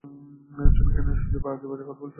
তুমি কেনো এসব আজে-বাজে কথা বলছো?